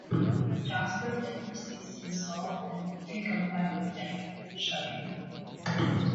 Jasper then proceeds to insult and pick a fight with Eddie, shoving him.